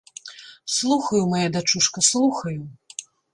Слухаю, мая дачушка, слухаю.